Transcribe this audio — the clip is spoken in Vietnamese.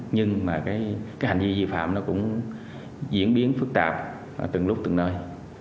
nhưng hành vi dị phạm cũng diễn biến phức tạp từng lúc từng nơi